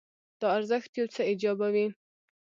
دا ارزښت یو څه ایجابوي.